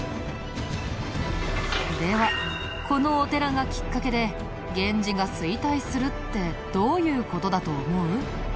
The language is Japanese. ではこのお寺がきっかけで源氏が衰退するってどういう事だと思う？